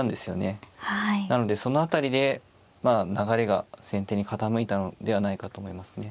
なのでその辺りでまあ流れが先手に傾いたのではないかと思いますね。